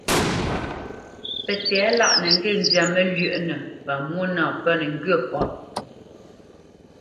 Pətɛ̌lâʼ nə ŋgê zyā məlywəʼnə pa mwô nâ pə́nə ŋgyə̌ kɔ̌p.